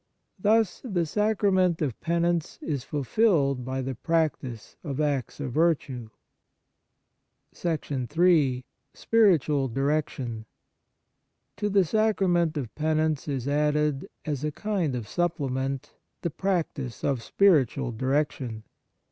Thus the Sacrament of Penance is fulfilled by the practice of acts of virtue. Ill Spiritual Direction To the Sacrament of Penance is added, as a kind of supplement, the practice of spiritual direction.